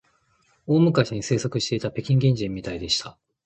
大昔に生息していた北京原人みたいでした